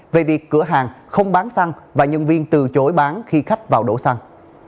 về việc cửa hàng không bán xăng và nhân viên từ chối bán khi khách vào đổ xăng